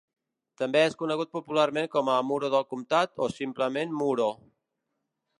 També és conegut popularment com a Muro del Comtat o simplement Muro.